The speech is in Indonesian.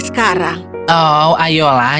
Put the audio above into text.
sekarang oh ayolah